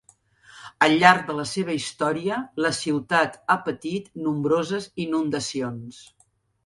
Al llarg de la seva història, la ciutat a patit nombroses inundacions.